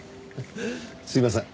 すいません